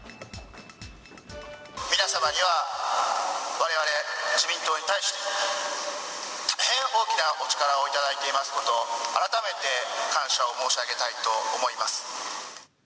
皆様にはわれわれ自民党に対して、大変大きなお力を頂いていますこと、改めて感謝を申し上げたいと思います。